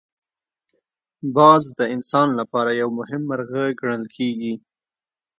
باز د انسان لپاره یو مهم مرغه ګڼل کېږي